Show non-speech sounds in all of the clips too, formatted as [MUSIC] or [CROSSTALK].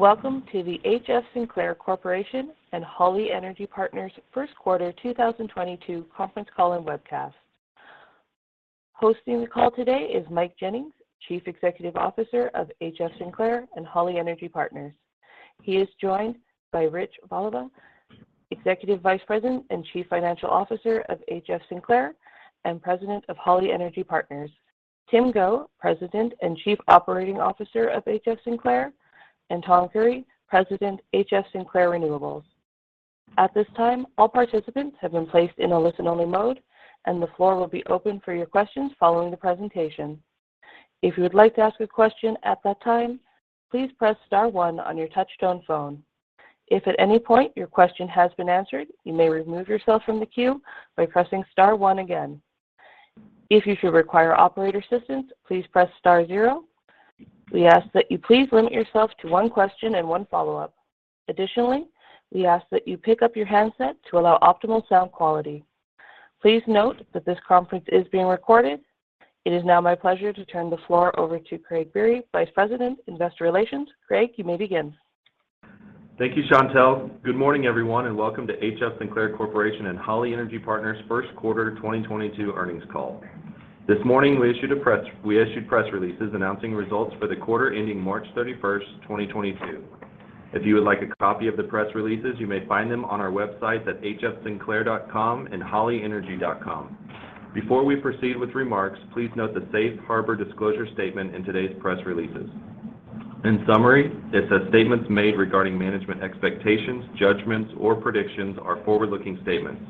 Welcome to the HF Sinclair Corporation and Holly Energy Partners first quarter 2022 conference call and webcast. Hosting the call today is Mike Jennings, Chief Executive Officer of HF Sinclair and Holly Energy Partners. He is joined by Rich Voliva, Executive Vice President and Chief Financial Officer of HF Sinclair and President of Holly Energy Partners, Tim Go, President and Chief Operating Officer of HF Sinclair, and Tom Creery, President, HF Sinclair Renewables. At this time, all participants have been placed in a listen-only mode, and the floor will be open for your questions following the presentation. If you would like to ask a question at that time, please press star one on your touchtone phone. If at any point your question has been answered, you may remove yourself from the queue by pressing star one again. If you should require operator assistance, please press star zero. We ask that you please limit yourself to one question and one follow-up. Additionally, we ask that you pick up your handset to allow optimal sound quality. Please note that this conference is being recorded. It is now my pleasure to turn the floor over to Craig Biery, Vice President, Investor Relations. Craig, you may begin. Thank you, Chantelle. Good morning, everyone, and welcome to HF Sinclair Corporation and Holly Energy Partners' first quarter 2022 earnings call. This morning, we issued press releases announcing results for the quarter ending March 31st, 2022. If you would like a copy of the press releases, you may find them on our website at hfsinclair.com and hollyenergy.com. Before we proceed with remarks, please note the safe harbor disclosure statement in today's press releases. In summary, it says statements made regarding management expectations, judgments, or predictions are forward-looking statements.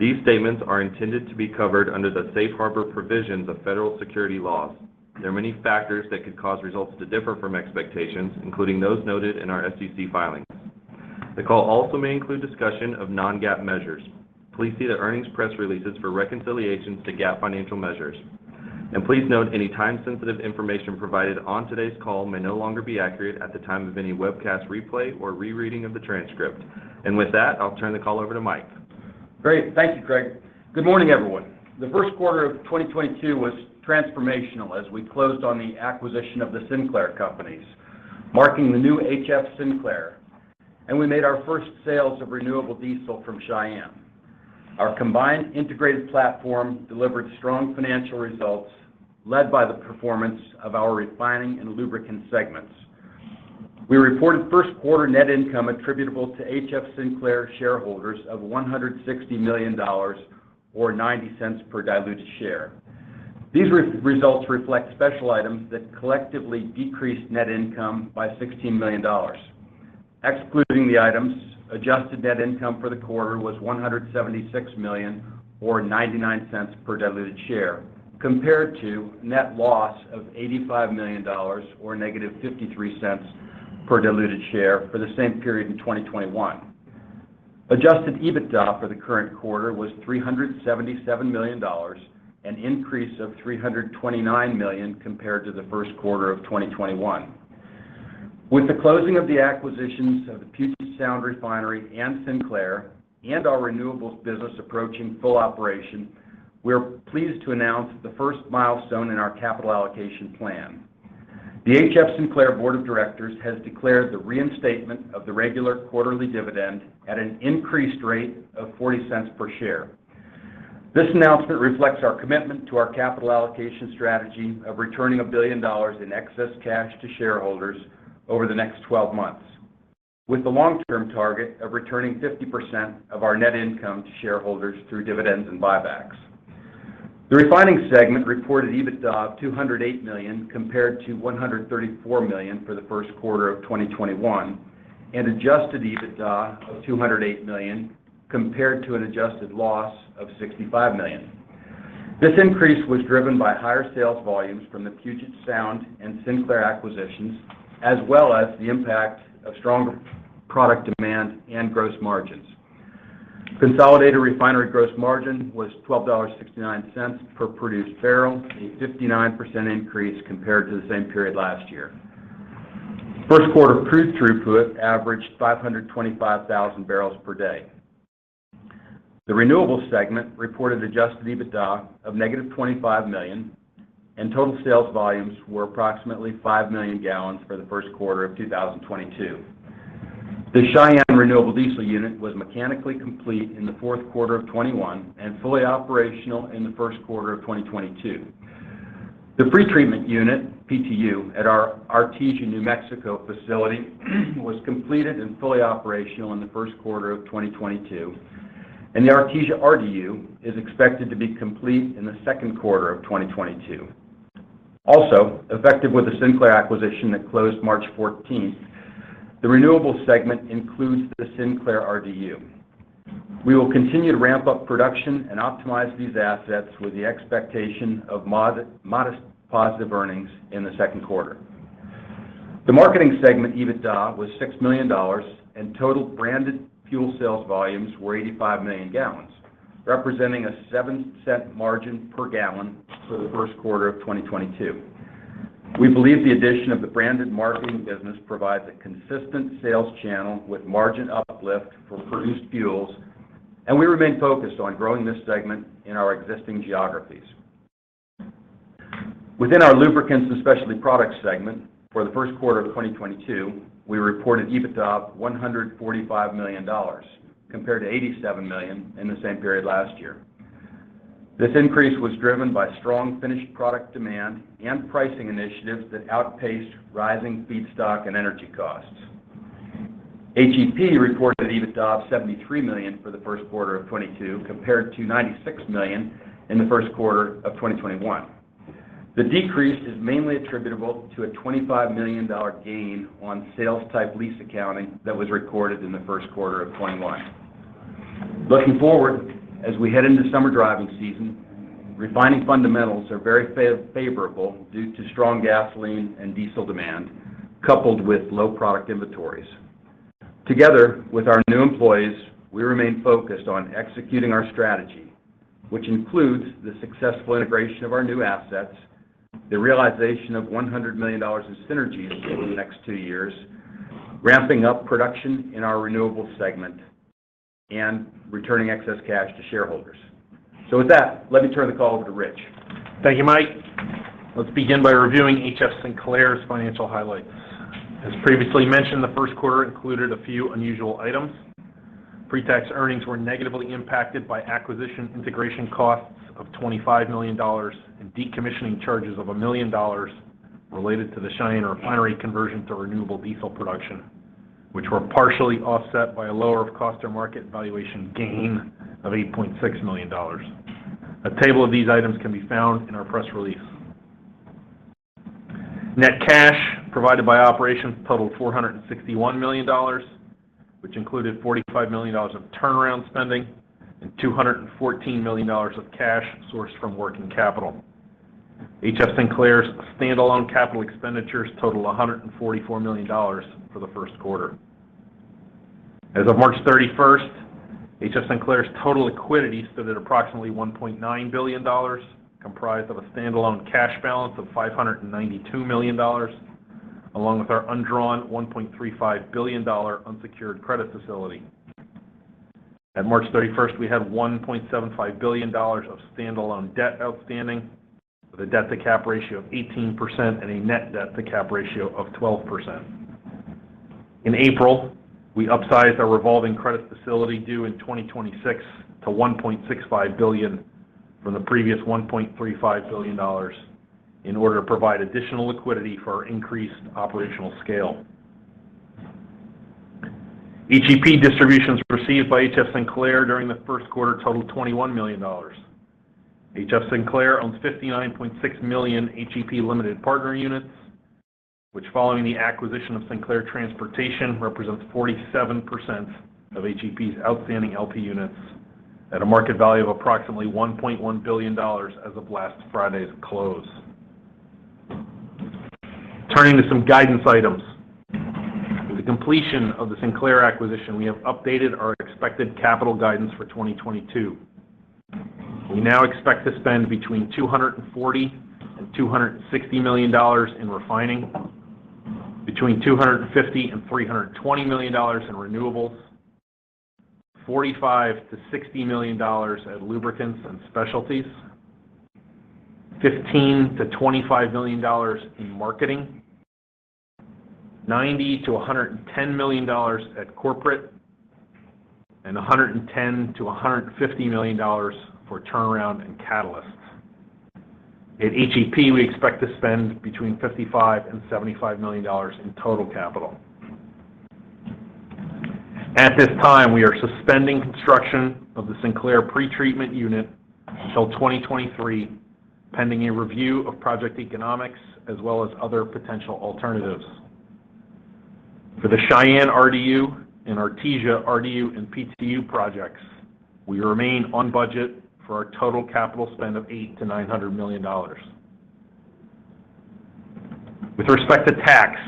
These statements are intended to be covered under the safe harbor provisions of federal security laws. There are many factors that could cause results to differ from expectations, including those noted in our SEC filings. The call also may include discussion of non-GAAP measures. Please see the earnings press releases for reconciliations to GAAP financial measures. Please note any time-sensitive information provided on today's call may no longer be accurate at the time of any webcast replay or rereading of the transcript. With that, I'll turn the call over to Mike. Great. Thank you, Craig. Good morning, everyone. The first quarter of 2022 was transformational as we closed on the acquisition of the Sinclair Companies, marking the new HF Sinclair, and we made our first sales of renewable diesel from Cheyenne. Our combined integrated platform delivered strong financial results led by the performance of our refining and lubricant segments. We reported first quarter net income attributable to HF Sinclair shareholders of $160 million or $0.90 per diluted share. These results reflect special items that collectively decreased net income by $16 million. Excluding the items, adjusted net income for the quarter was $176 million or $0.99 per diluted share compared to net loss of $85 million or -$0.53 per diluted share for the same period in 2021. Adjusted EBITDA for the current quarter was $377 million, an increase of $329 million compared to the first quarter of 2021. With the closing of the acquisitions of the Puget Sound Refinery and Sinclair and our renewables business approaching full operation, we're pleased to announce the first milestone in our capital allocation plan. The HF Sinclair board of directors has declared the reinstatement of the regular quarterly dividend at an increased rate of $0.40 per share. This announcement reflects our commitment to our capital allocation strategy of returning $1 billion in excess cash to shareholders over the next 12 months, with the long-term target of returning 50% of our net income to shareholders through dividends and buybacks. The refining segment reported EBITDA of $208 million compared to $134 million for the first quarter of 2021 and adjusted EBITDA of $208 million compared to an adjusted loss of $65 million. This increase was driven by higher sales volumes from the Puget Sound and Sinclair acquisitions, as well as the impact of stronger product demand and gross margins. Consolidated refinery gross margin was $12.69 per produced barrel, a 59% increase compared to the same period last year. First quarter crude throughput averaged 525,000 barrels per day. The renewables segment reported adjusted EBITDA of -$25 million, and total sales volumes were approximately 5 million gallons for the first quarter of 2022. The Cheyenne RDU was mechanically complete in the fourth quarter of 2021 and fully operational in the first quarter of 2022. The Pre-Treatment Unit, PTU, at our Artesia, New Mexico, facility was completed and fully operational in the first quarter of 2022. The Artesia RDU is expected to be complete in the second quarter of 2022. Also, effective with the Sinclair acquisition that closed March 14th, the renewables segment includes the Sinclair RDU. We will continue to ramp up production and optimize these assets with the expectation of modest positive earnings in the second quarter. The marketing segment EBITDA was $6 million, and total branded fuel sales volumes were 85 million gallons, representing a $0.07 margin per gallon for the first quarter of 2022. We believe the addition of the branded marketing business provides a consistent sales channel with margin uplift for produced fuels. We remain focused on growing this segment in our existing geographies. Within our lubricants and specialty products segment for the first quarter of 2022, we reported EBITDA of $145 million compared to $87 million in the same period last year. This increase was driven by strong finished product demand and pricing initiatives that outpaced rising feedstock and energy costs. HEP reported EBITDA of $73 million for the first quarter of 2022 compared to $96 million in the first quarter of 2021. The decrease is mainly attributable to a $25 million gain on sales type lease accounting that was recorded in the first quarter of 2021. Looking forward as we head into summer driving season, refining fundamentals are very favorable due to strong gasoline and diesel demand, coupled with low product inventories. Together with our new employees, we remain focused on executing our strategy, which includes the successful integration of our new assets, the realization of $100 million in synergies over the next two years, ramping up production in our renewables segment, and returning excess cash to shareholders. With that, let me turn the call over to Rich. Thank you, Mike. Let's begin by reviewing HF Sinclair's financial highlights. As previously mentioned, the first quarter included a few unusual items. Pre-tax earnings were negatively impacted by acquisition integration costs of $25 million and decommissioning charges of $1 million related to the Cheyenne Refinery conversion to renewable diesel production, which were partially offset by a lower of cost or market valuation gain of $8.6 million. A table of these items can be found in our press release. Net cash provided by operations totaled $461 million, which included $45 million of turnaround spending and $214 million of cash sourced from working capital. HF Sinclair's standalone capital expenditures totaled $144 million for the first quarter. As of March 31st, HF Sinclair's total liquidity stood at approximately $1.9 billion, comprised of a standalone cash balance of $592 million, along with our undrawn $1.35 billion unsecured credit facility. At March 31st, we had $1.75 billion of standalone debt outstanding with a debt-to-cap ratio of 18% and a net debt-to-cap ratio of 12%. In April, we upsized our revolving credit facility due in 2026 to $1.65 billion from the previous $1.35 billion in order to provide additional liquidity for our increased operational scale. HEP distributions received by HF Sinclair during the first quarter totaled $21 million. HF Sinclair owns 59.6 million HEP limited partner units, which following the acquisition of Sinclair Transportation, represents 47% of HEP's outstanding LP units at a market value of approximately $1.1 billion as of last Friday's close. Turning to some guidance items. With the completion of the Sinclair acquisition, we have updated our expected capital guidance for 2022. We now expect to spend between $240 million and $260 million in refining, between $250 million and $320 million in renewables, $45 million-$60 million at lubricants and specialties, $15 million-$25 million in marketing, $90 million-$110 million at corporate, and $110 million-$150 million for turnaround and catalysts. At HEP, we expect to spend between $55 million and $75 million in total capital. At this time, we are suspending construction of the Sinclair pretreatment unit until 2023, pending a review of project economics as well as other potential alternatives. For the Cheyenne RDU and Artesia RDU and PTU projects, we remain on budget for our total capital spend of $800 million-$900 million. With respect to tax,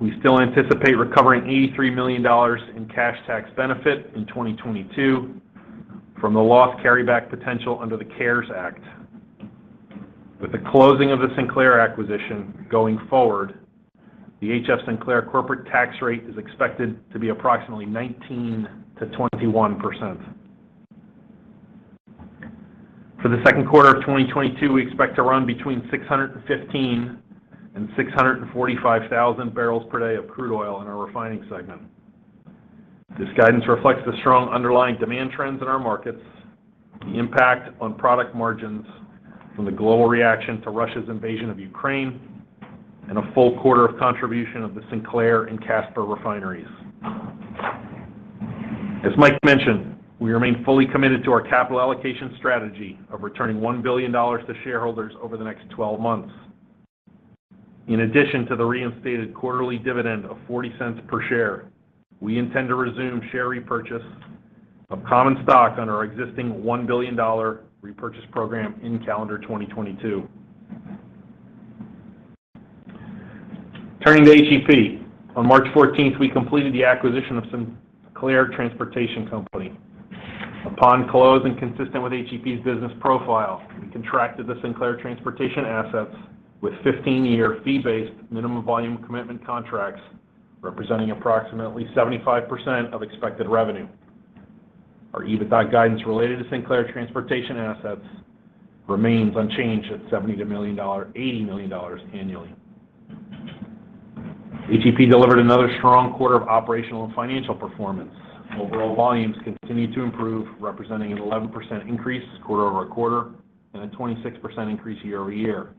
we still anticipate recovering $83 million in cash tax benefit in 2022 from the loss carryback potential under the CARES Act. With the closing of the Sinclair acquisition going forward, the HF Sinclair corporate tax rate is expected to be approximately 19%-21%. For the second quarter of 2022, we expect to run between 615,000 and 645,000 barrels per day of crude oil in our refining segment. This guidance reflects the strong underlying demand trends in our markets, the impact on product margins from the global reaction to Russia's invasion of Ukraine, and a full quarter of contribution of the Sinclair and Casper refineries. As Mike mentioned, we remain fully committed to our capital allocation strategy of returning $1 billion to shareholders over the next 12 months. In addition to the reinstated quarterly dividend of $0.40 per share, we intend to resume share repurchase of common stock on our existing $1 billion repurchase program in calendar 2022. Turning to HEP. On March 14th, we completed the acquisition of Sinclair Transportation Company. Upon close and consistent with HEP's business profile, we contracted the Sinclair Transportation assets with 15-year fee-based minimum volume commitment contracts, representing approximately 75% of expected revenue. Our EBITDA guidance related to Sinclair transportation assets remains unchanged at $70 million-$80 million annually. HEP delivered another strong quarter of operational and financial performance. Overall volumes continued to improve, representing an 11% increase quarter-over-quarter, and a 26% increase year-over-year.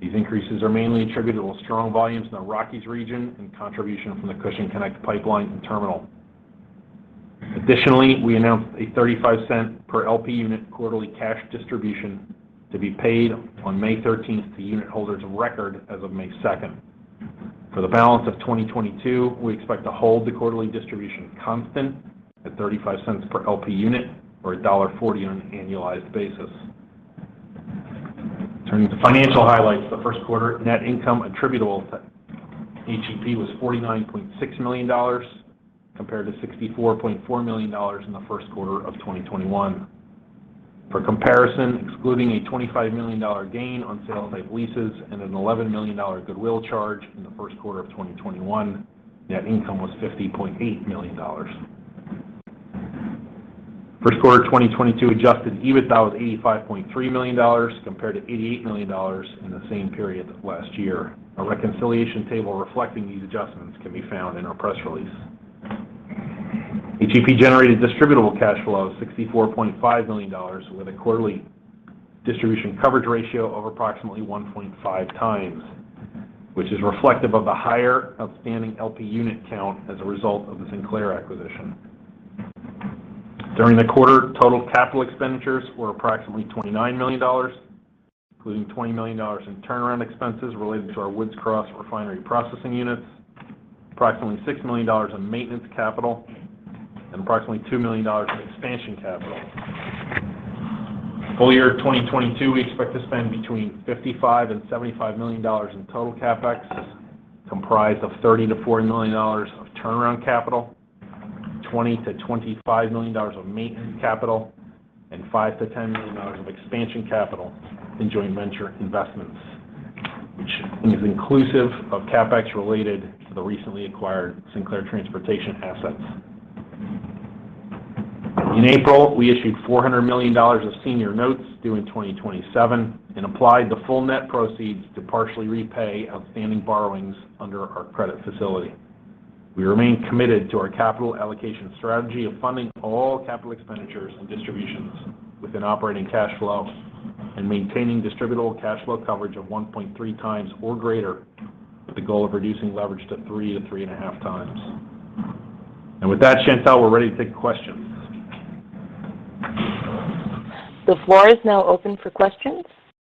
These increases are mainly attributable to strong volumes in the Rockies region and contribution from the Cushing Connect pipeline and terminal. Additionally, we announced a $0.35 per LP unit quarterly cash distribution to be paid on May 13th to unit holders of record as of May 2nd. For the balance of 2022, we expect to hold the quarterly distribution constant at $0.35 per LP unit or $1.40 on an annualized basis. Turning to financial highlights for the first quarter, net income attributable to HEP was $49.6 million compared to $64.4 million in the first quarter of 2021. For comparison, excluding a $25 million gain on sales-type leases and an $11 million goodwill charge in the first quarter of 2021, net income was $50.8 million. For Q1 2022, adjusted EBITDA was $85.3 million compared to $88 million in the same period last year. A reconciliation table reflecting these adjustments can be found in our press release. HEP generated distributable cash flow of $64.5 million with a quarterly distribution coverage ratio of approximately 1.5 times, which is reflective of the higher outstanding LP unit count as a result of the Sinclair acquisition. During the quarter, total capital expenditures were approximately $29 million, including $20 million in turnaround expenses related to our Woods Cross refinery processing units, approximately $6 million in maintenance capital, and approximately $2 million in expansion capital. Full year 2022, we expect to spend between $55 million and $75 million in total CapEx, comprised of $30 million-$40 million of turnaround capital, $20 million-$25 million of maintenance capital, and $5 million -$10 million of expansion capital in joint venture investments, which is inclusive of CapEx related to the recently acquired Sinclair Transportation assets. In April, we issued $400 million of senior notes due in 2027 and applied the full net proceeds to partially repay outstanding borrowings under our credit facility. We remain committed to our capital allocation strategy of funding all capital expenditures and distributions within operating cash flow and maintaining distributable cash flow coverage of 1.3 times or greater, with the goal of reducing leverage to three to 3.5 times. With that, Chantelle, we're ready to take questions. The floor is now open for questions.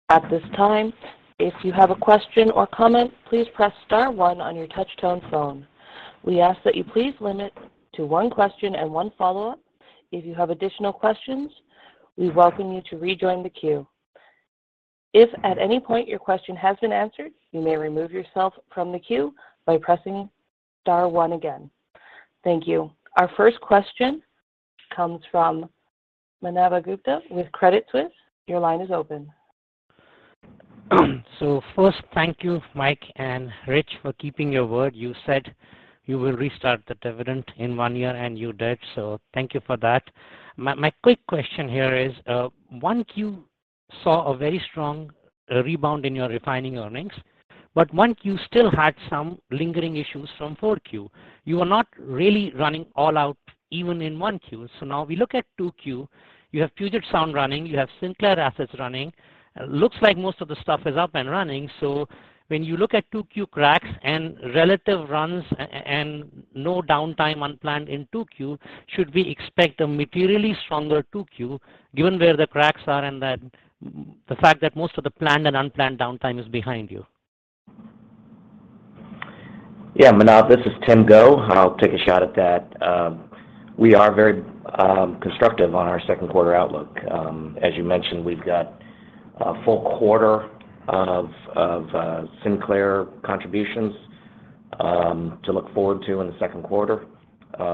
At this time, if you have a question or comment, please press star one on your touch tone phone. We ask that you please limit to one question and one follow-up. If you have additional questions, we welcome you to rejoin the queue. If at any point your question has been answered, you may remove yourself from the queue by pressing star one again. Thank you. Our first question comes from Manav Gupta with Credit Suisse. Your line is open. First, thank you, Mike and Rich, for keeping your word. You said you will restart the dividend in one year, and you did. Thank you for that. My quick question here is, 1Q saw a very strong rebound in your refining earnings, but 1Q still had some lingering issues from 4Q. You are not really running all out even in 1Q. Now we look at 2Q, you have Puget Sound running, you have Sinclair assets running. Looks like most of the stuff is up and running. When you look at 2Q cracks and relative runs and no downtime unplanned in 2Q, should we expect a materially stronger 2Q given where the cracks are and the fact that most of the planned and unplanned downtime is behind you? Yeah. Manav, this is Tim Go. I'll take a shot at that. We are very constructive on our second quarter outlook. As you mentioned, we've got a full quarter of Sinclair contributions to look forward to in the second quarter.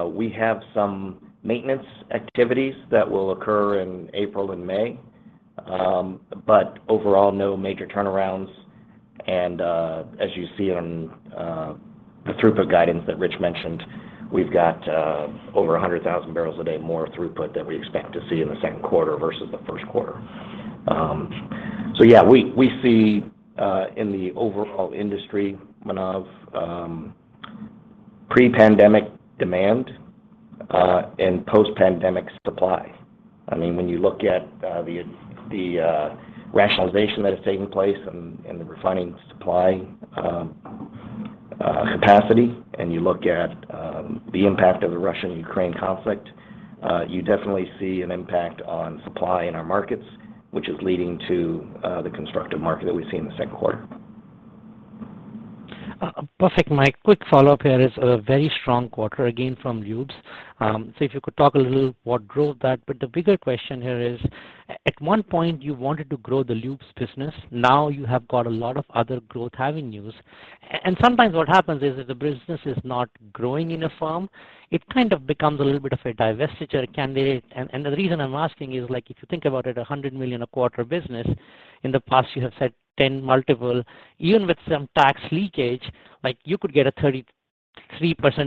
We have some maintenance activities that will occur in April and May, but overall, no major turnarounds. As you see on the throughput guidance that Rich mentioned, we've got over 100,000 barrels a day more throughput that we expect to see in the second quarter versus the first quarter. Yeah, we see in the overall industry, Manav, pre-pandemic demand and post-pandemic supply. I mean, when you look at the rationalization that has taken place in the refining supply capacity and you look at the impact of the Russian-Ukraine conflict, you definitely see an impact on supply in our markets, which is leading to the constructive market that we see in the second quarter. Perfect. My quick follow-up here is a very strong quarter again from lubes. If you could talk a little what drove that. The bigger question here is, at one point you wanted to grow the lubes business. Now you have got a lot of other growth avenues. Sometimes what happens is, if the business is not growing in a firm, it kind of becomes a little bit of a divestiture candidate. The reason I'm asking is, like, if you think about it, $100 million a quarter business, in the past you have said 10x multiple. Even with some tax leakage, like, you could get a 33%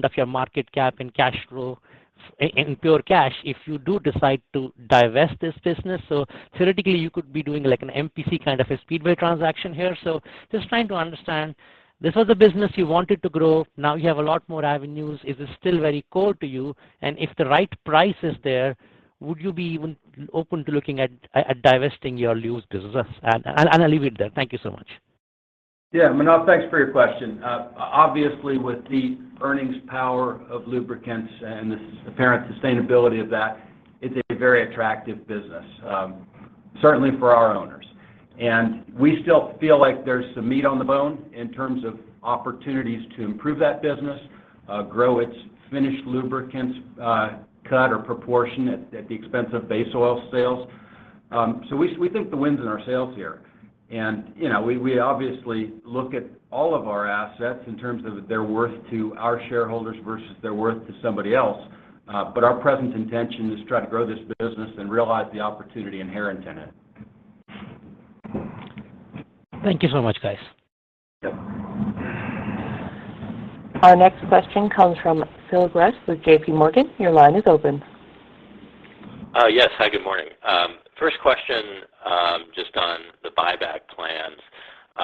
of your market cap in cash flow in pure cash if you do decide to divest this business. Theoretically, you could be doing like an MPC kind of a Speedway transaction here. Just trying to understand, this was a business you wanted to grow. Now you have a lot more avenues. Is this still very core to you? If the right price is there, would you be even open to looking at divesting your lubes business? I'll leave it there. Thank you so much. Yeah, Manav, thanks for your question. Obviously with the earnings power of lubricants and the apparent sustainability of that, it's a very attractive business, certainly for our owners. We still feel like there's some meat on the bone in terms of opportunities to improve that business, grow its finished lubricants, cut the proportion at the expense of base oil sales. We think the wind's in our sails here. You know, we obviously look at all of our assets in terms of their worth to our shareholders versus their worth to somebody else. Our present intention is to try to grow this business and realize the opportunity inherent in it. Thank you so much, guys. Our next question comes from Phil Gresh with JPMorgan. Your line is open. Yes. Hi, good morning. First question, just on the buyback plans.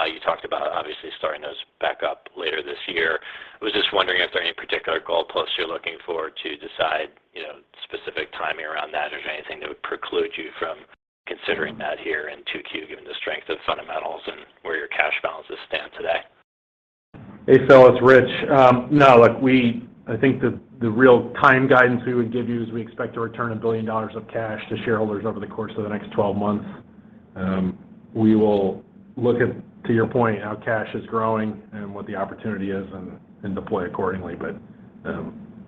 You talked about obviously starting those back up later this year. I was just wondering if there are any particular goalposts you're looking for to decide, you know, specific timing around that or if there's anything that would preclude you from considering that here in 2Q, given the strength of fundamentals and where your cash balances stand today. Hey, Phil, it's Rich. No. Look, I think the real time guidance we would give you is we expect to return $1 billion of cash to shareholders over the course of the next 12 months. We will look at, to your point, how cash is growing and what the opportunity is and deploy accordingly.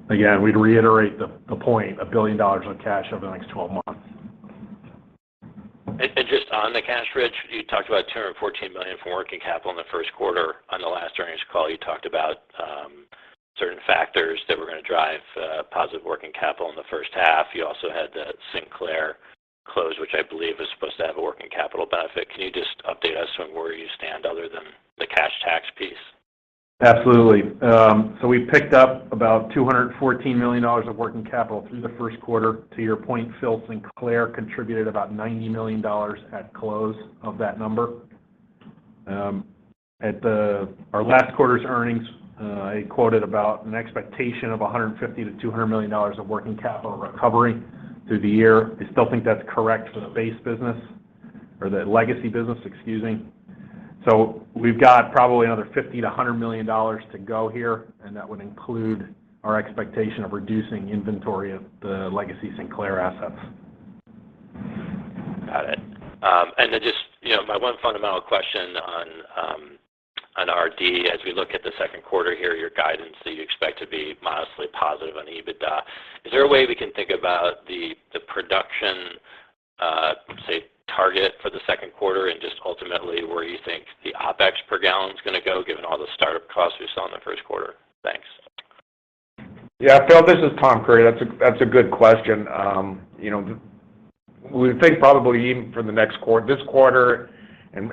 Again, we'd reiterate the point, $1 billion of cash over the next 12 months. Just on the cash, Rich, you talked about $214 million from working capital in the first quarter. On the last earnings call, you talked about certain factors that were gonna drive positive working capital in the first half. You also had the Sinclair close, which I believe is supposed to have a working capital benefit. Can you just update us on where you stand other than the cash tax piece? Absolutely. So we picked up about $214 million of working capital through the first quarter. To your point, Phil, Sinclair contributed about $90 million at close of that number. At our last quarter's earnings, I quoted about an expectation of $150 million-$200 million of working capital recovery through the year. I still think that's correct for the base business or the legacy business, excluding. We've got probably another $50 million-$100 million to go here, and that would include our expectation of reducing inventory of the legacy Sinclair assets. Got it. Just, you know, my one fundamental question on RD. As we look at the second quarter here, your guidance that you expect to be modestly positive on EBITDA, is there a way we can think about the production, say, target for the second quarter and just ultimately where you think the OpEx per gallon is gonna go given all the start-up costs we saw in the first quarter? Thanks. Yeah. Phil, this is Tom Creery. That's a good question. You know, we think probably even for the next quarter, this quarter and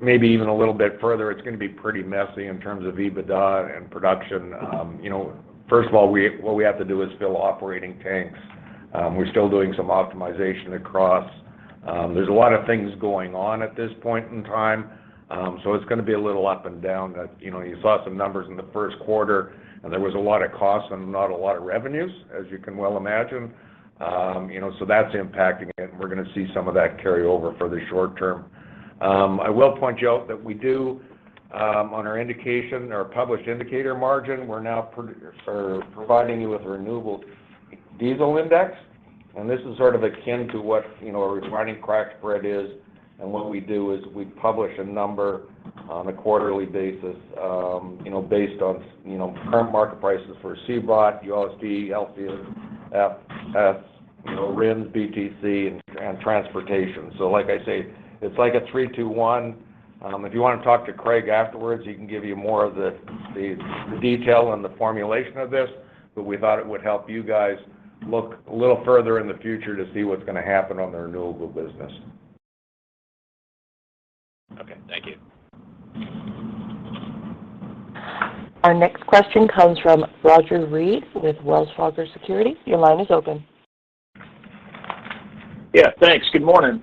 maybe even a little bit further, it's gonna be pretty messy in terms of EBITDA and production. You know, first of all, what we have to do is fill operating tanks. We're still doing some optimization across. There's a lot of things going on at this point in time, so it's gonna be a little up and down. You know, you saw some numbers in the first quarter, and there was a lot of costs and not a lot of revenues, as you can well imagine. You know, so that's impacting it, and we're gonna see some of that carry over for the short term. I will point out to you that we do, on our indicative or published indicator margin, we're now providing you with renewable diesel index, and this is sort of akin to what, you know, a refining crack spread is. What we do is we publish a number on a quarterly basis, you know, based on, you know, current market prices for CBOT, ULSD, LCFS, you know, RINs, BTC, and transportation. Like I say, it's like a three, two, one. If you wanna talk to Craig afterwards, he can give you more of the detail and the formulation of this. We thought it would help you guys look a little further in the future to see what's gonna happen on the renewable business. Okay. Thank you. Our next question comes from Roger Read with Wells Fargo Securities. Your line is open. Yeah. Thanks. Good morning.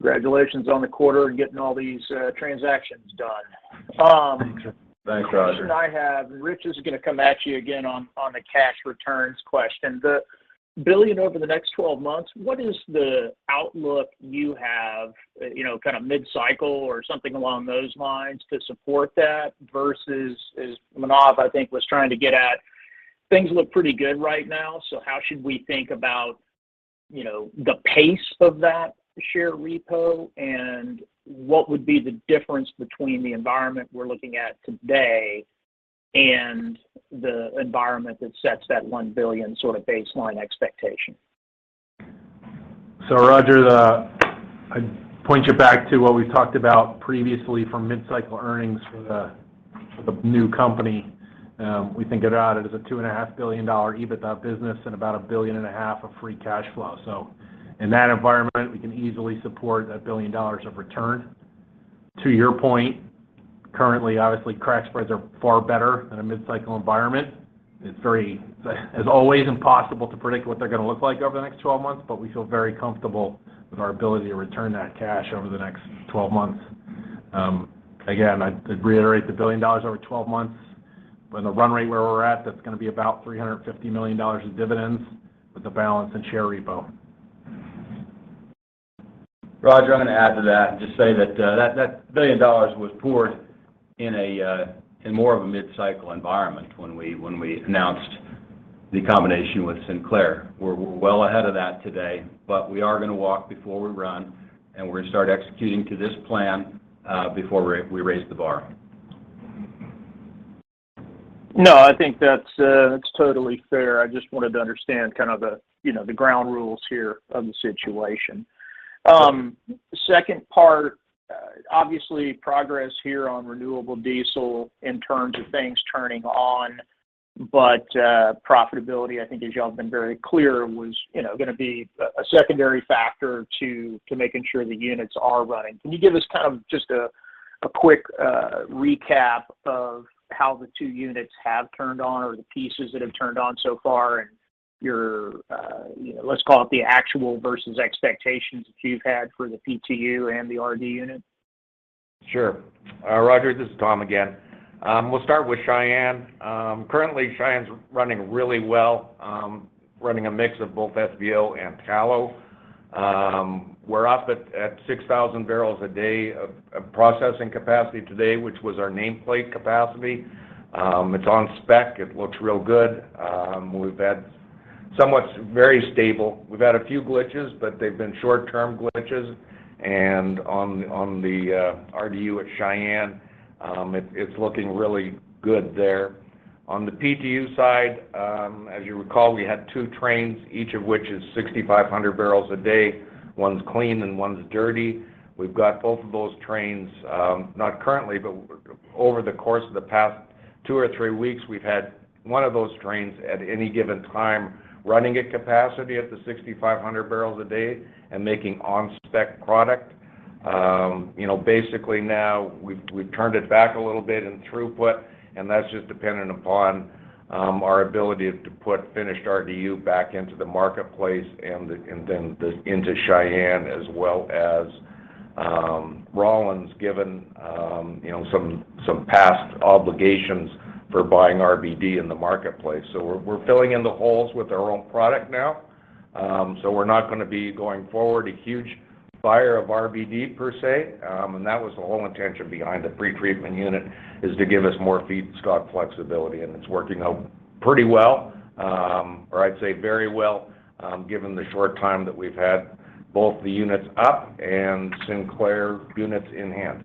Congratulations on the quarter and getting all these transactions done. Thanks, Roger. The question I have, Rich is gonna come at you again on the cash returns question. The $1 billion over the next 12 months, what is the outlook you have, you know, kind of mid-cycle or something along those lines to support that versus, as Manav, I think, was trying to get at, things look pretty good right now. How should we think about, you know, the pace of that share repurchase, and what would be the difference between the environment we're looking at today and the environment that sets that $1 billion sort of baseline expectation? Roger, I'd point you back to what we talked about previously for mid-cycle earnings for the new company. We think about it as a $2.5 billion EBITDA business and about $1.5 billion of free cash flow. In that environment, we can easily support $1 billion of return. To your point, currently, obviously, crack spreads are far better in a mid-cycle environment. It's always impossible to predict what they're gonna look like over the next 12 months, but we feel very comfortable with our ability to return that cash over the next 12 months. Again, I'd reiterate the $1 billion over 12 months. When the run rate where we're at, that's gonna be about $350 million in dividends with the balance in share repo. Roger, I'm gonna add to that and just say that that $1 billion was poured in more of a mid-cycle environment when we announced the combination with Sinclair. We're well ahead of that today, but we are gonna walk before we run, and we're gonna start executing to this plan before we raise the bar. No, I think that's totally fair. I just wanted to understand kind of the, you know, the ground rules here of the situation. Second part, obviously progress here on renewable diesel in terms of things turning on, but profitability, I think as y'all have been very clear, was, you know, gonna be a secondary factor to making sure the units are running. Can you give us kind of just a quick recap of how the two units have turned on or the pieces that have turned on so far and your, you know, let's call it the actual versus expectations that you've had for the PTU and the RDU units? Sure. Roger, this is Tom again. We'll start with Cheyenne. Currently, Cheyenne's running really well, running a mix of both SVO and tallow. We're up at 6,000 barrels a day of processing capacity today, which was our nameplate capacity. It's on spec. It looks real good. We've had somewhat very stable. We've had a few glitches, but they've been short-term glitches. On the RDU at Cheyenne, it's looking really good there. On the PTU side, as you recall, we had two trains, each of which is 6,500 barrels a day. One's clean and one's dirty. We've got both of those trains, not currently, but over the course of the past two or three weeks, we've had one of those trains at any given time running at capacity at the 6,500 barrels a day and making on-spec product. You know, basically now we've turned it back a little bit in throughput, and that's just dependent upon our ability to put finished RDU back into the marketplace and into Cheyenne as well as Rawlins given, you know, some past obligations for buying RBD in the marketplace. We're filling in the holes with our own product now. We're not gonna be going forward a huge buyer of RBD per se. That was the whole intention behind the pretreatment unit, is to give us more feedstock flexibility. It's working out pretty well, or I'd say very well, given the short time that we've had both the units up and Sinclair units in hand.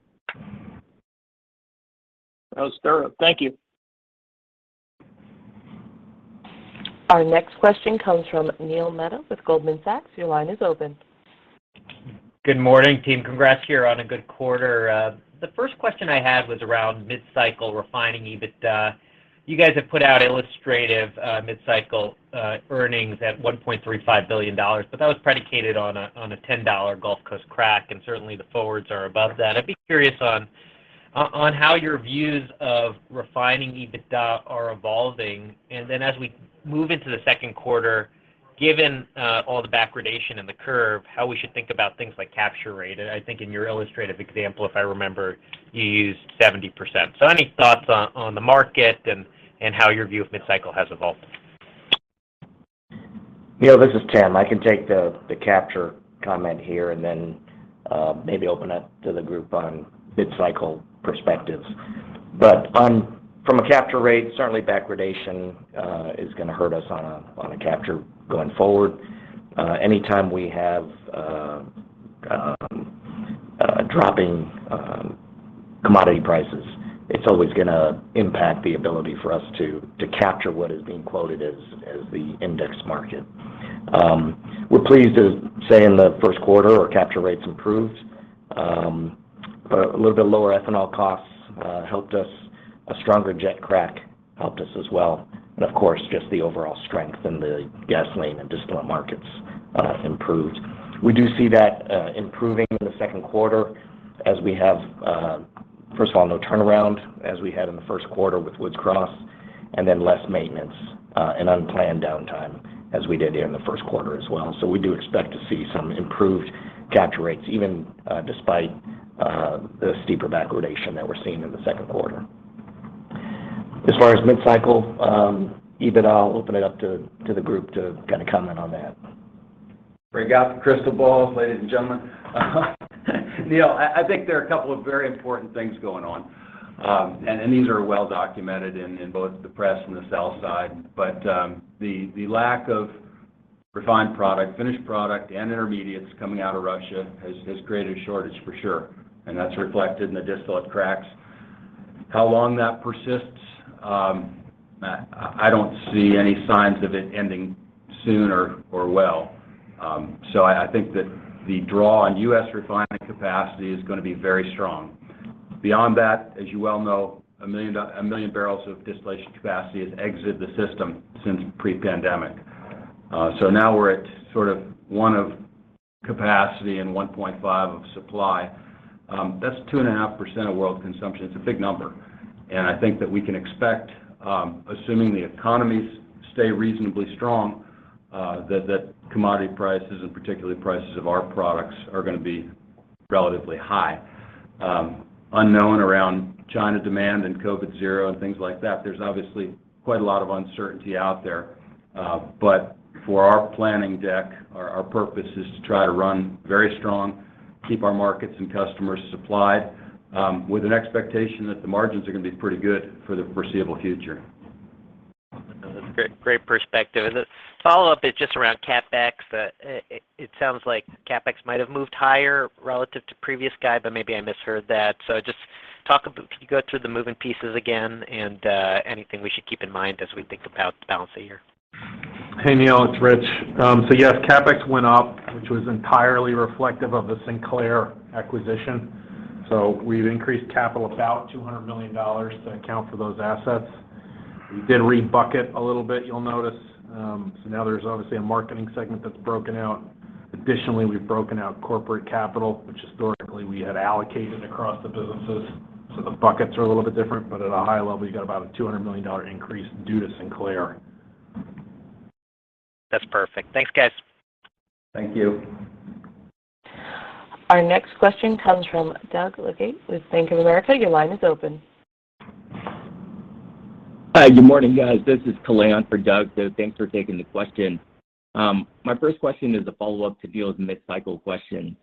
That was thorough. Thank you. Our next question comes from Neil Mehta with Goldman Sachs. Your line is open. Good morning, team. Congrats, you're on a good quarter. The first question I had was around mid-cycle refining EBITDA. You guys have put out illustrative mid-cycle earnings at $1.35 billion, but that was predicated on a $10 Gulf Coast crack, and certainly the forwards are above that. I'd be curious on how your views of refining EBITDA are evolving. As we move into the second quarter, given all the backwardation in the curve, how we should think about things like capture rate. I think in your illustrative example, if I remember, you used 70%. Any thoughts on the market and how your view of mid-cycle has evolved? Neil, this is Tim. I can take the capture comment here and then maybe open up to the group on mid-cycle perspectives. From a capture rate, certainly backwardation is gonna hurt us on a capture going forward. Anytime we have dropping commodity prices, it's always gonna impact the ability for us to capture what is being quoted as the index market. We're pleased to say in the first quarter, our capture rates improved. A little bit lower ethanol costs helped us. A stronger jet crack helped us as well. Of course, just the overall strength in the gasoline and distillate markets improved. We do see that improving in the second quarter as we have first of all no turnaround as we had in the first quarter with Woods Cross, and then less maintenance and unplanned downtime as we did in the first quarter as well. We do expect to see some improved capture rates even despite the steeper backwardation that we're seeing in the second quarter. As far as mid-cycle EBITDA, I'll open it up to the group to kinda comment on that. Break out the crystal balls, ladies and gentlemen. Neil, I think there are a couple of very important things going on. These are well documented in both the press and the sell side. The lack of refined product, finished product, and intermediates coming out of Russia has created a shortage for sure, and that's reflected in the distillate cracks. How long that persists, I don't see any signs of it ending soon or well. I think that the draw on U.S. refining capacity is gonna be very strong. Beyond that, as you well know, 1 million barrels of distillation capacity has exited the system since pre-pandemic. Now we're at sort of 1% of capacity and 1.5% of supply. That's 2.5% of world consumption. It's a big number. I think that we can expect, assuming the economies stay reasonably strong, that commodity prices and particularly prices of our products are gonna be relatively high. Unknown around China demand and zero-COVID and things like that, there's obviously quite a lot of uncertainty out there. For our planning deck, our purpose is to try to run very strong, keep our markets and customers supplied, with an expectation that the margins are gonna be pretty good for the foreseeable future. That's great perspective. The follow-up is just around CapEx. It sounds like CapEx might have moved higher relative to previous guide, but maybe I misheard that. Just talk. Can you go through the moving pieces again and anything we should keep in mind as we think about the balance of the year? Hey, Neil, it's Rich. Yes, CapEx went up, which was entirely reflective of the Sinclair acquisition. We've increased capital about $200 million to account for those assets. We did re-bucket a little bit, you'll notice. Now there's obviously a marketing segment that's broken out. Additionally, we've broken out corporate capital, which historically we had allocated across the businesses. The buckets are a little bit different, but at a high level, you got about a $200 million increase due to Sinclair. That's perfect. Thanks, guys. Thank you. Our next question comes from Doug Leggate with Bank of America. Your line is open. Hi. Good morning, guys. This is Kalei in for Doug. Thanks for taking the question. My first question is a follow-up to Neil's mid-cycle question.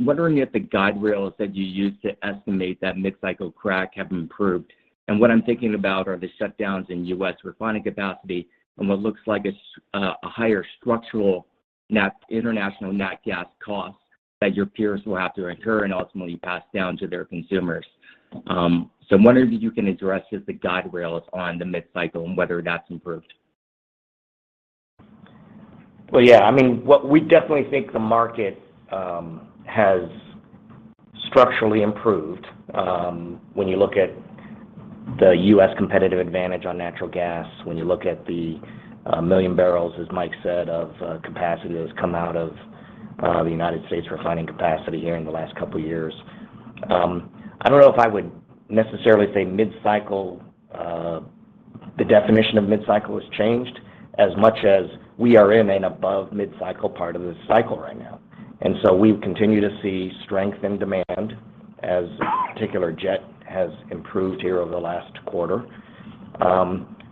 Wondering if the guide rails that you used to estimate that mid-cycle crack have improved. What I'm thinking about are the shutdowns in U.S. refining capacity and what looks like a higher structural international nat gas cost that your peers will have to incur and ultimately pass down to their consumers. I'm wondering if you can address just the guide rails on the mid-cycle and whether that's improved. Well, yeah, I mean, what we definitely think the market has structurally improved, when you look at the U.S. competitive advantage on natural gas, when you look at the 1 million barrels, as Mike said, of capacity that has come out of the United States refining capacity here in the last couple of years. I don't know if I would necessarily say mid-cycle. The definition of mid-cycle has changed as much as we are in an above mid-cycle part of this cycle right now. We continue to see strength in demand as particularly jet has improved here over the last quarter.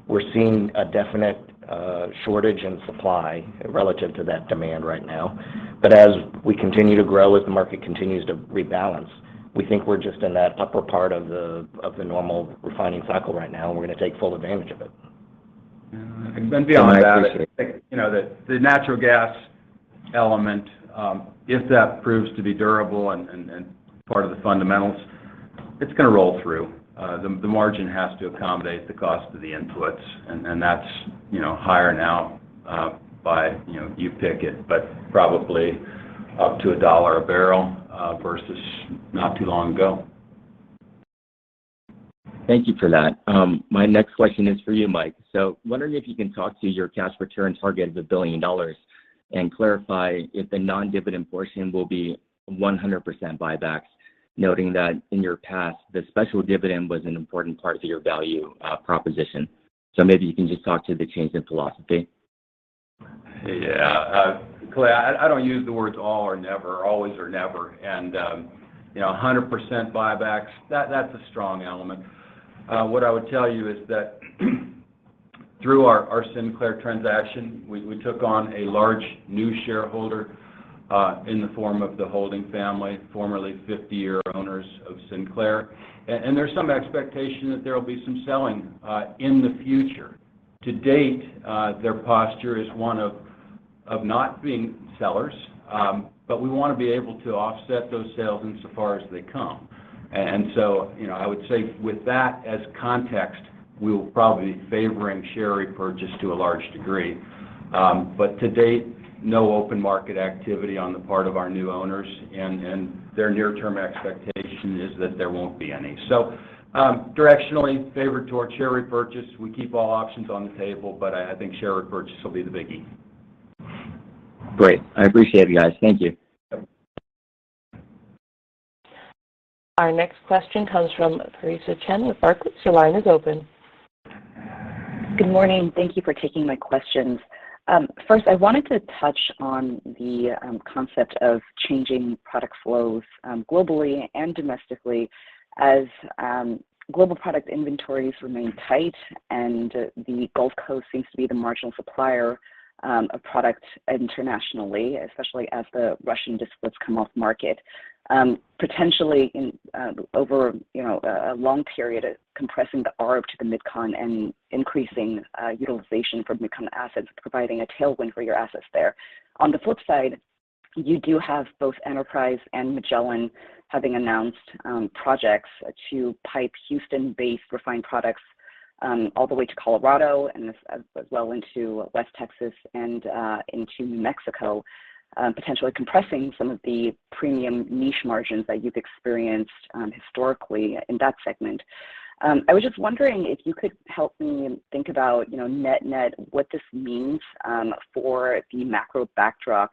We're seeing a definite shortage in supply relative to that demand right now. As we continue to grow, as the market continues to rebalance, we think we're just in that upper part of the normal refining cycle right now, and we're gonna take full advantage of it. [CROSSTALK] Yeah. Beyond that. I appreciate it. You know, the natural gas element, if that proves to be durable and part of the fundamentals, it's gonna roll through. The margin has to accommodate the cost of the inputs, and that's, you know, higher now, by, you know, you pick it, but probably up to $1 a barrel, versus not too long ago. Thank you for that. My next question is for you, Mike. Wondering if you can talk to your cash return target of $1 billion and clarify if the non-dividend portion will be 100% buybacks, noting that in your past, the special dividend was an important part of your value proposition. Maybe you can just talk to the change in philosophy. Yeah. Kalei, I don't use the words all or never, always or never. You know, 100% buybacks, that's a strong element. What I would tell you is that through our Sinclair transaction, we took on a large new shareholder in the form of the Holding family, formerly 50-year owners of Sinclair. There's some expectation that there will be some selling in the future. To date, their posture is one of not being sellers. We wanna be able to offset those sales insofar as they come. You know, I would say with that as context, we will probably be favoring share repurchase to a large degree. To date, no open market activity on the part of our new owners, and their near-term expectation is that there won't be any. Directionally favored toward share repurchase. We keep all options on the table, but I think share repurchase will be the biggie. Great. I appreciate it, you guys. Thank you. Our next question comes from Theresa Chen with Barclays. Your line is open. Good morning. Thank you for taking my questions. First, I wanted to touch on the concept of changing product flows globally and domestically as global product inventories remain tight and the Gulf Coast seems to be the marginal supplier of product internationally, especially as what's come off market. Potentially over you know a long period of compressing the arb to the MidCon and increasing utilization from MidCon assets, providing a tailwind for your assets there. On the flip side, you do have both Enterprise and Magellan having announced projects to pipe Houston-based refined products all the way to Colorado and as well into West Texas and into New Mexico, potentially compressing some of the premium niche margins that you've experienced historically in that segment. I was just wondering if you could help me and think about, you know, net-net, what this means for the macro backdrop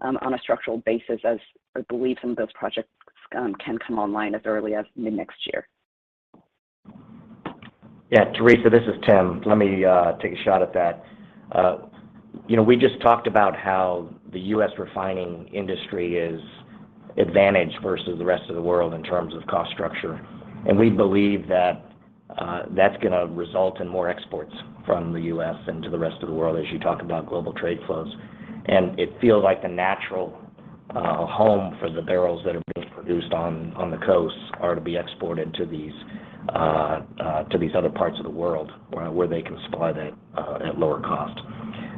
on a structural basis as I believe some of those projects can come online as early as mid next year. Yeah, Theresa, this is Tim. Let me take a shot at that. You know, we just talked about how the U.S. refining industry is advantaged versus the rest of the world in terms of cost structure. We believe that that's gonna result in more exports from the U.S. into the rest of the world as you talk about global trade flows. It feels like the natural home for the barrels that are being produced on the coasts are to be exported to these other parts of the world where they can supply that at lower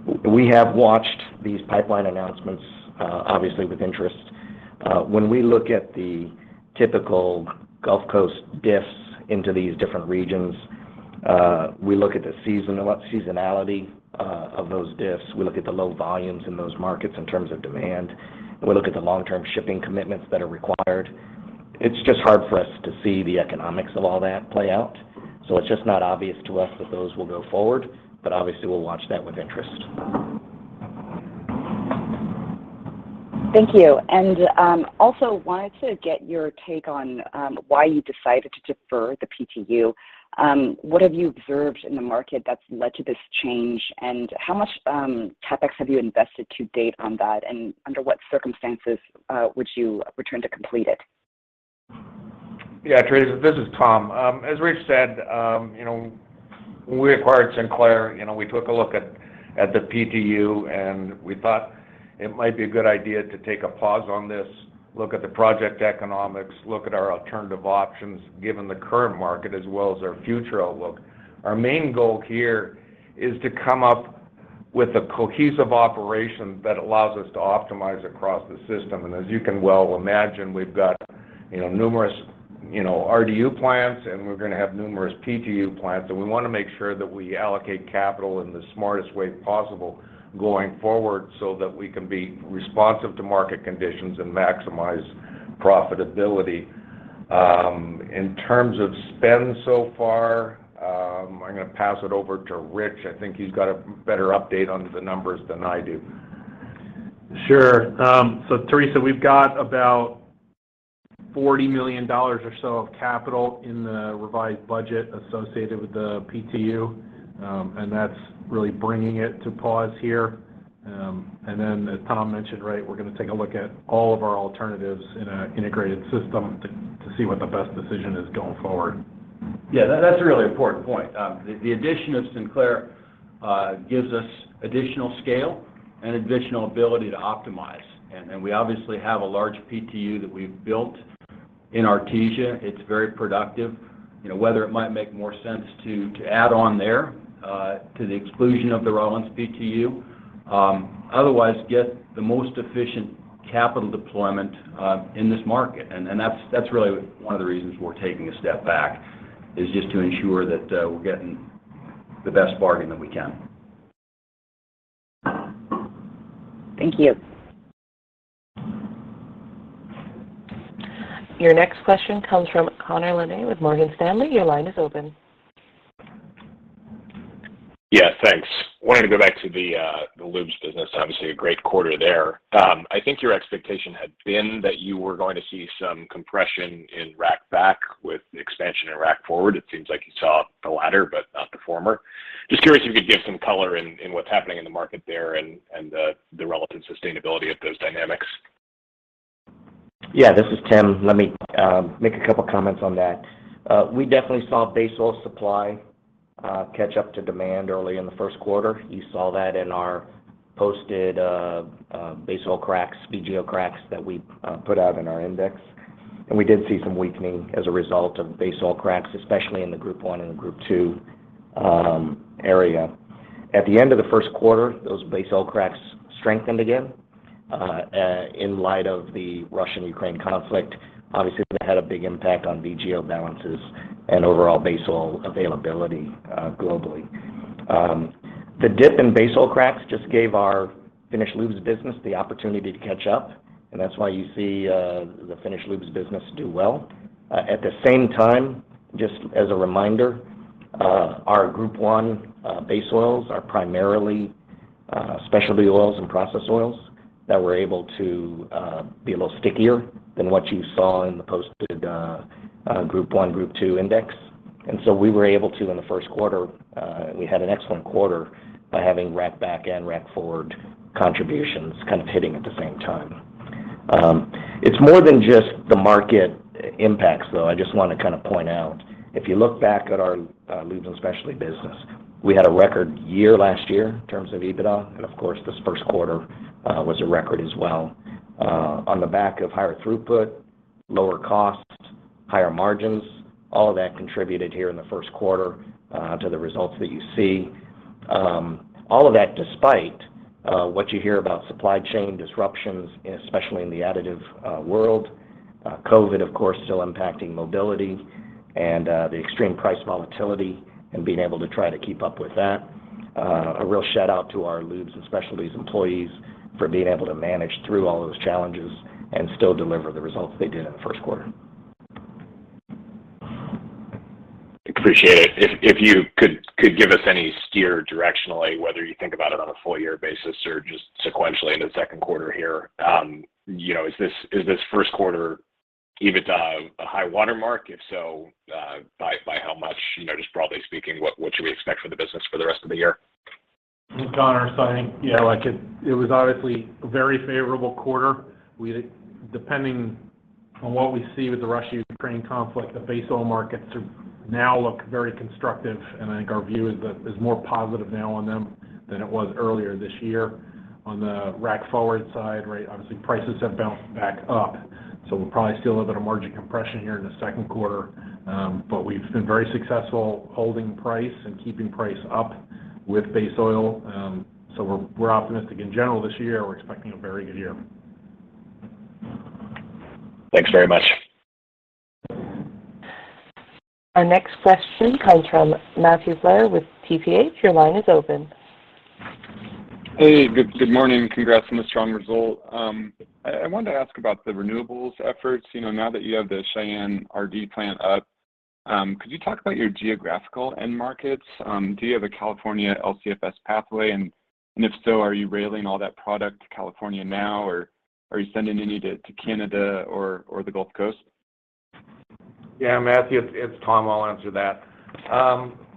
cost. We have watched these pipeline announcements obviously with interest. When we look at the typical Gulf Coast diffs into these different regions, we look at the seasonality of those diffs. We look at the low volumes in those markets in terms of demand. We look at the long-term shipping commitments that are required. It's just hard for us to see the economics of all that play out. It's just not obvious to us that those will go forward, but obviously we'll watch that with interest. Thank you. Also wanted to get your take on why you decided to defer the PTU. What have you observed in the market that's led to this change? And how much CapEx have you invested to date on that, and under what circumstances would you return to complete it? Yeah, Theresa, this is Tom. As Rich said, you know, when we acquired Sinclair, you know, we took a look at the PTU, and we thought it might be a good idea to take a pause on this, look at the project economics, look at our alternative options, given the current market as well as our future outlook. Our main goal here is to come up with a cohesive operation that allows us to optimize across the system. As you can well imagine, we've got, you know, numerous, you know, RDU plants and we're gonna have numerous PTU plants, and we wanna make sure that we allocate capital in the smartest way possible going forward so that we can be responsive to market conditions and maximize profitability. In terms of spend so far, I'm gonna pass it over to Rich. I think he's got a better update on the numbers than I do. Sure. Theresa, we've got about $40 million or so of capital in the revised budget associated with the PTU, and that's really bringing it to pause here. As Tom mentioned, right, we're gonna take a look at all of our alternatives in an integrated system to see what the best decision is going forward. That's a really important point. The addition of Sinclair gives us additional scale and additional ability to optimize. We obviously have a large PTU that we've built in Artesia. It's very productive. You know, whether it might make more sense to add on there to the exclusion of the Rawlins PTU otherwise get the most efficient capital deployment in this market. That's really one of the reasons we're taking a step back, just to ensure that we're getting the best bargain that we can. Thank you. Your next question comes from Connor Lynagh with Morgan Stanley. Your line is open. Yeah, thanks. Wanted to go back to the lubes business. Obviously a great quarter there. I think your expectation had been that you were going to see some compression in rack back with expansion in rack forward. It seems like you saw the latter but not the former. Just curious if you could give some color in what's happening in the market there and the relevant sustainability of those dynamics. Yeah, this is Tim. Let me make a couple comments on that. We definitely saw base oil supply catch up to demand early in the first quarter. You saw that in our posted base oil cracks, VGO cracks that we put out in our index. We did see some weakening as a result of base oil cracks, especially in the Group one and the Group two area. At the end of the first quarter, those base oil cracks strengthened again in light of the Russia-Ukraine conflict. Obviously that had a big impact on VGO balances and overall base oil availability globally. The dip in base oil cracks just gave our finished lubes business the opportunity to catch up, and that's why you see the finished lubes business do well. At the same time, just as a reminder, our Group one base oils are primarily specialty oils and process oils that were able to be a little stickier than what you saw in the posted Group one, Group two index. We were able to in the first quarter, we had an excellent quarter by having rack back and rack forward contributions kind of hitting at the same time. It's more than just the market impacts though. I just wanna kind of point out, if you look back at our lubes and specialty business, we had a record year last year in terms of EBITDA, and of course this first quarter was a record as well. On the back of higher throughput, lower costs, higher margins, all of that contributed here in the first quarter to the results that you see. All of that despite what you hear about supply chain disruptions, especially in the additive world. COVID, of course, still impacting mobility. The extreme price volatility and being able to try to keep up with that, a real shout-out to our lubes and specialties employees for being able to manage through all those challenges and still deliver the results they did in the first quarter. Appreciate it. If you could give us any steer directionally, whether you think about it on a full year basis or just sequentially in the second quarter here, you know, is this first quarter even to have a high watermark? If so, by how much? You know, just broadly speaking, what should we expect for the business for the rest of the year? Connor, I think, yeah, it was obviously a very favorable quarter. We, depending on what we see with the Russia-Ukraine conflict, the base oil markets are now looking very constructive, and I think our view is that it's more positive now on them than it was earlier this year. On the rack forward side, right, obviously prices have bounced back up, so we'll probably still have a margin compression here in the second quarter. But we've been very successful holding price and keeping price up with base oil. We're optimistic in general this year. We're expecting a very good year. Thanks very much. Our next question comes from Matthew Blair with TPH. Your line is open. Hey, good morning. Congrats on the strong result. I wanted to ask about the renewables efforts. You know, now that you have the Cheyenne RDU up, could you talk about your geographical end markets? Do you have a California LCFS pathway? If so, are you railing all that product to California now, or are you sending any to Canada or the Gulf Coast? Yeah, Matthew, it's Tom. I'll answer that.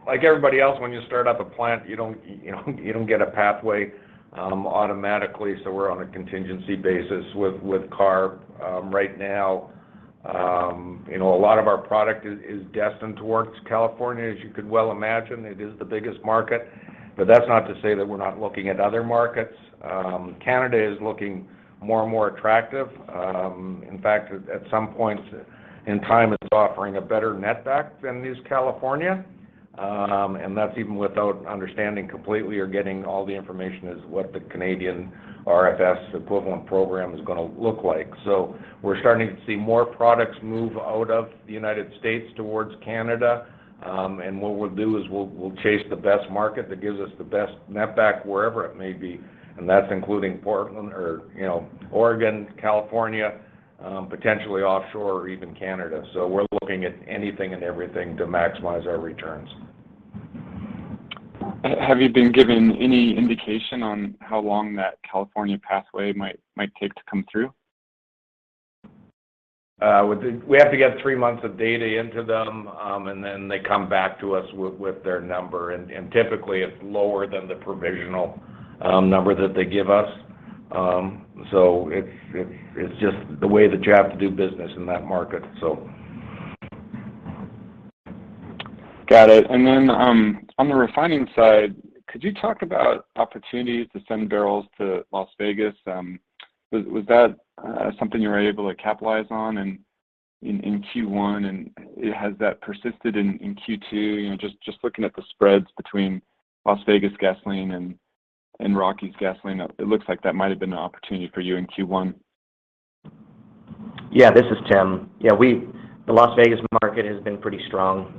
Like everybody else, when you start up a plant, you don't get a pathway automatically, so we're on a contingency basis with CARB. Right now, you know, a lot of our product is destined towards California. As you could well imagine, it is the biggest market. That's not to say that we're not looking at other markets. Canada is looking more and more attractive. In fact, at some points in time it's offering a better net back than is California. That's even without understanding completely or getting all the information as what the Canadian RFS equivalent program is gonna look like. So we're starting to see more products move out of the United States towards Canada. What we'll do is we'll chase the best market that gives us the best net back wherever it may be, and that's including Portland or, you know, Oregon, California, potentially offshore or even Canada. We're looking at anything and everything to maximize our returns. Have you been given any indication on how long that California pathway might take to come through? We have to get three months of data into them, and then they come back to us with their number. Typically it's lower than the provisional number that they give us. It's just the way that you have to do business in that market. Got it. On the refining side, could you talk about opportunities to send barrels to Las Vegas? Was that something you were able to capitalize on in Q1, and has that persisted in Q2? You know, just looking at the spreads between Las Vegas gasoline and Rockies gasoline, it looks like that might've been an opportunity for you in Q1. Yeah. This is Tim. Yeah, the Las Vegas market has been pretty strong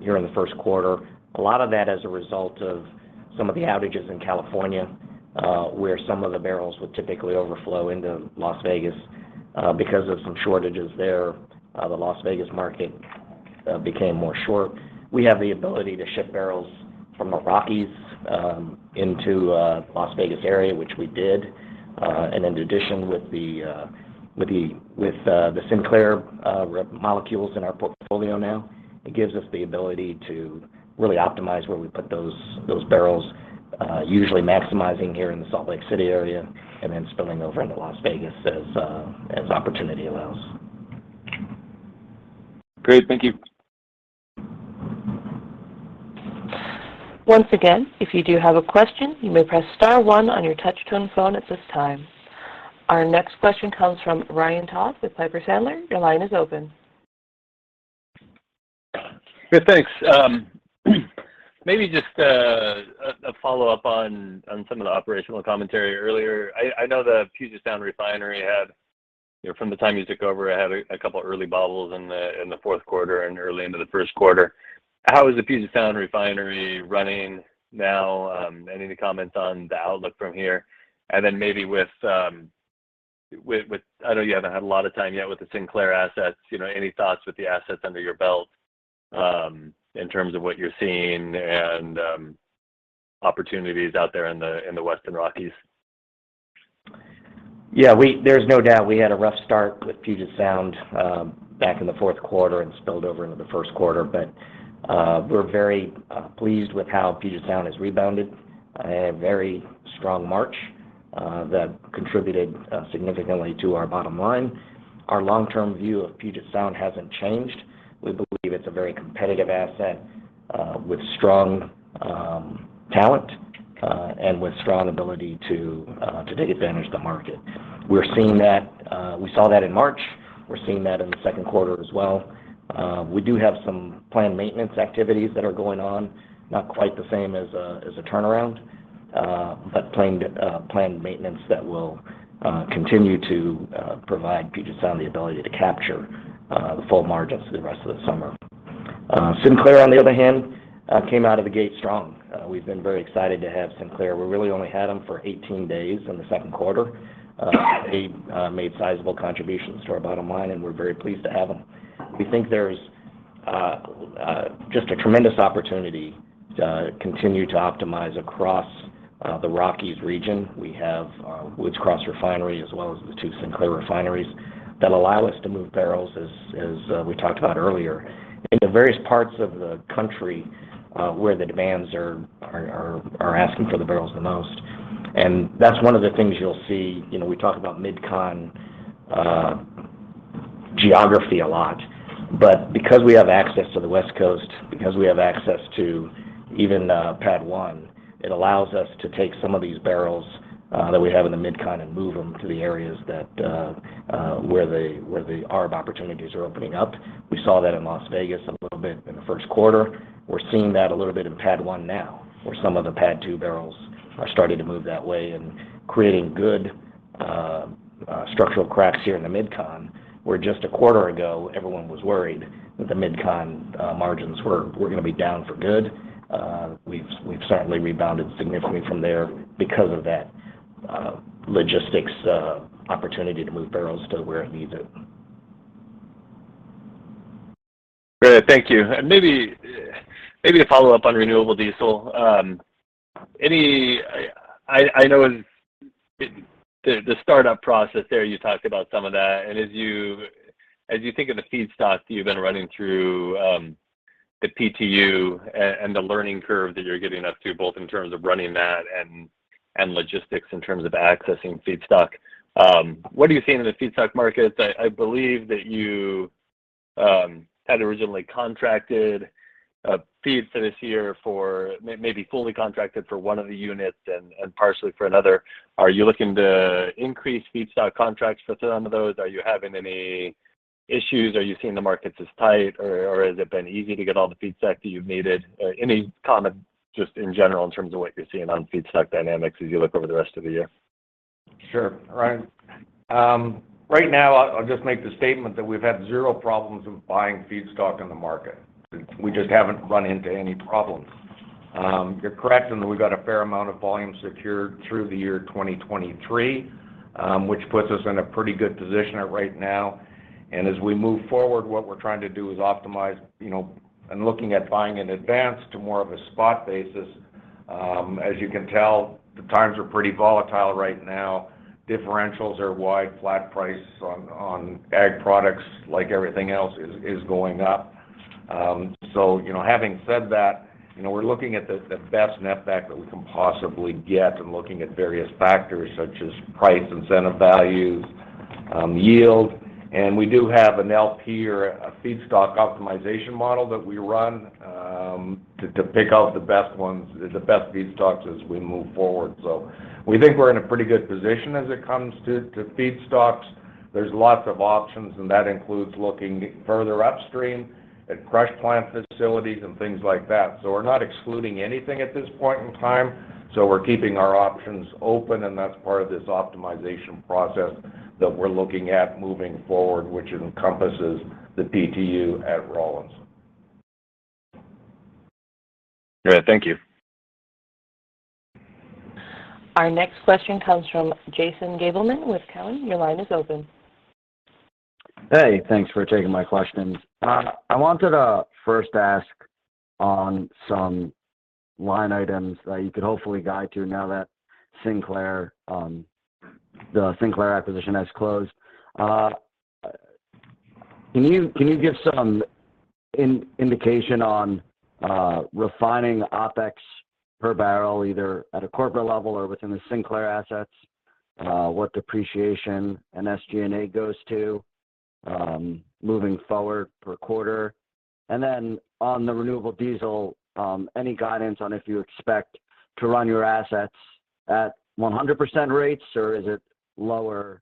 here in the first quarter. A lot of that as a result of some of the outages in California, where some of the barrels would typically overflow into Las Vegas. Because of some shortages there, the Las Vegas market became more short. We have the ability to ship barrels from the Rockies into Las Vegas area, which we did. In addition, with the Sinclair molecules in our portfolio now, it gives us the ability to really optimize where we put those barrels, usually maximizing here in the Salt Lake City area and then spilling over into Las Vegas as opportunity allows. Great. Thank you. Once again, if you do have a question, you may press star one on your touch-tone phone at this time. Our next question comes from Ryan Todd with Piper Sandler. Your line is open. Yeah. Thanks. Maybe just a follow-up on some of the operational commentary earlier. I know the Puget Sound Refinery, you know, from the time you took over, it had a couple early bobbles in the fourth quarter and early into the first quarter. How is the Puget Sound Refinery running now? Any comments on the outlook from here? I know you haven't had a lot of time yet with the Sinclair assets. You know, any thoughts with the assets under your belt, in terms of what you're seeing and opportunities out there in the Western Rockies? There's no doubt we had a rough start with Puget Sound back in the fourth quarter and spilled over into the first quarter. We're very pleased with how Puget Sound has rebounded. A very strong March that contributed significantly to our bottom line. Our long-term view of Puget Sound hasn't changed. We believe it's a very competitive asset with strong talent and with strong ability to take advantage of the market. We're seeing that. We saw that in March. We're seeing that in the second quarter as well. We do have some planned maintenance activities that are going on, not quite the same as a turnaround, but planned maintenance that will continue to provide Puget Sound the ability to capture the full margins for the rest of the summer. Sinclair on the other hand came out of the gate strong. We've been very excited to have Sinclair. We really only had them for 18 days in the second quarter. They made sizable contributions to our bottom line, and we're very pleased to have them. We think there's just a tremendous opportunity to continue to optimize across the Rockies region. We have Woods Cross Refinery as well as the two Sinclair refineries that allow us to move barrels as we talked about earlier. In the various parts of the country, where the demands are asking for the barrels the most, and that's one of the things you'll see. You know, we talk about MidCon geography a lot. Because we have access to the West Coast, because we have access to even PADD 1, it allows us to take some of these barrels that we have in the MidCon and move them to the areas that where the ARB opportunities are opening up. We saw that in Las Vegas a little bit in the first quarter. We're seeing that a little bit in PADD 1 now, where some of the PADD 2 barrels are starting to move that way and creating good structural cracks here in the MidCon, where just a quarter ago everyone was worried that the MidCon margins were gonna be down for good. We've certainly rebounded significantly from there because of that logistics opportunity to move barrels to where it needs it. Great. Thank you. Maybe a follow-up on renewable diesel. I know in the startup process there, you talked about some of that. As you think of the feedstock you've been running through, the PTU and the learning curve that you're getting up to, both in terms of running that and logistics in terms of accessing feedstock, what are you seeing in the feedstock markets? I believe that you had originally contracted feeds for this year for maybe fully contracted for one of the units and partially for another. Are you looking to increase feedstock contracts for some of those? Are you having any issues? Are you seeing the markets as tight, or has it been easy to get all the feedstock that you've needed? Any comment just in general in terms of what you're seeing on feedstock dynamics as you look over the rest of the year? Sure. Ryan. Right now I'll just make the statement that we've had zero problems with buying feedstock in the market. We just haven't run into any problems. You're correct in that we've got a fair amount of volume secured through the year 2023, which puts us in a pretty good position right now. As we move forward, what we're trying to do is optimize, you know, and looking at buying in advance to more of a spot basis. As you can tell, the times are pretty volatile right now. Differentials are wide. Flat price on ag products, like everything else, is going up. You know, having said that, you know, we're looking at the best net back that we can possibly get and looking at various factors such as price, incentive values, yield. We do have an LP or a feedstock optimization model that we run to pick out the best ones, the best feedstocks as we move forward. We think we're in a pretty good position as it comes to feedstocks. There's lots of options, and that includes looking further upstream at crush plant facilities and things like that. We're not excluding anything at this point in time. We're keeping our options open, and that's part of this optimization process that we're looking at moving forward, which encompasses the PTU at Rawlins. Great. Thank you. Our next question comes from Jason Gabelman with Cowen. Your line is open. Hey, thanks for taking my questions. I wanted to first ask on some line items that you could hopefully guide to now that Sinclair, the Sinclair acquisition has closed. Can you give some indication on refining OpEx per barrel, either at a corporate level or within the Sinclair assets? What depreciation and SG&A goes to moving forward per quarter? And then on the renewable diesel, any guidance on if you expect to run your assets at 100% rates, or is it lower,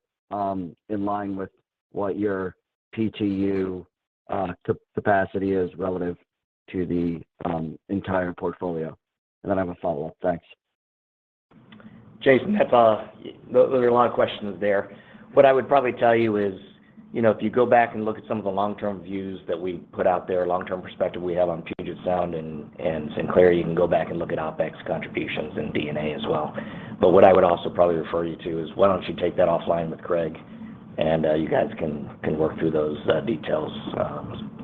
in line with what your PTU capacity is relative to the entire portfolio? And then I have a follow-up. Thanks. Jason, those are a lot of questions there. What I would probably tell you is, you know, if you go back and look at some of the long-term views that we put out there, long-term perspective we have on Puget Sound and Sinclair, you can go back and look at OpEx contributions and D&A as well. What I would also probably refer you to is why don't you take that offline with Craig, and you guys can work through those details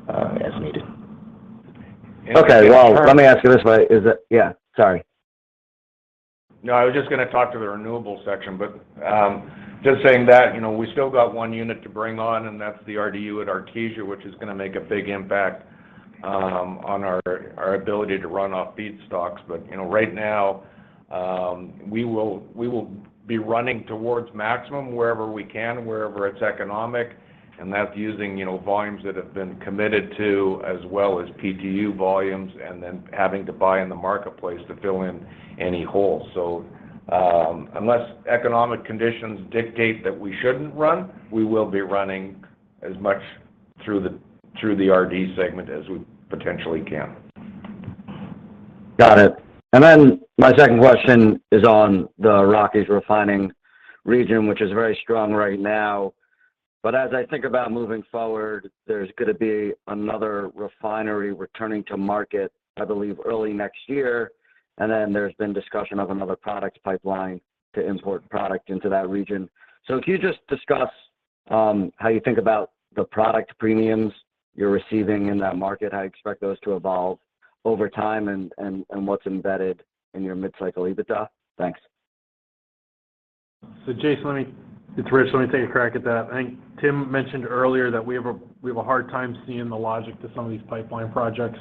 as needed. [CROSSTALK] And, and-Okay. Well, let me ask you this way. Yeah. Sorry. No, I was just gonna talk to the renewable section, but just saying that, you know, we still got one unit to bring on, and that's the RDU at Artesia, which is gonna make a big impact on our ability to run off feedstocks. But you know, right now, we will be running towards maximum wherever we can, wherever it's economic, and that's using, you know, volumes that have been committed to as well as PTU volumes and then having to buy in the marketplace to fill in any holes. So, unless economic conditions dictate that we shouldn't run, we will be running as much through the RD segment as we potentially can. Got it. My second question is on the Rockies refining region, which is very strong right now. As I think about moving forward, there's gonna be another refinery returning to market, I believe, early next year, and then there's been discussion of another products pipeline to import product into that region. If you just discuss how you think about the product premiums you're receiving in that market, how you expect those to evolve over time, and what's embedded in your mid-cycle EBITDA. Thanks. Jason, it's Rich. Let me take a crack at that. I think Tim mentioned earlier that we have a hard time seeing the logic to some of these pipeline projects.